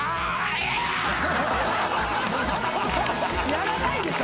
やらないでしょ